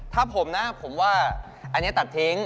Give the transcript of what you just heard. ถ้าผมนะผมว่าอันนี้ตัดทิ้ง